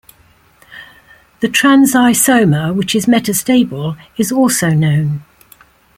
The trans isomer, which is metastable, is also known.